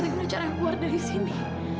kalau kita guna cara yang keluar dari sini